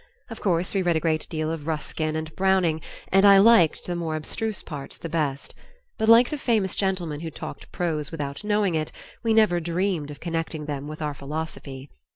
Of course we read a great deal of Ruskin and Browning, and liked the most abstruse parts the best; but like the famous gentleman who talked prose without knowing it, we never dreamed of connecting them with our philosophy.